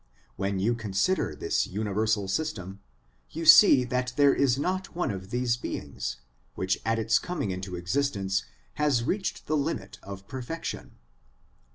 When you consider this universal system, you see that there is not one of the beings, which at its coming into existence has reached the limit of per fection.